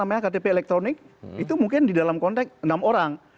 namanya ktp elektronik itu mungkin di dalam konteks enam orang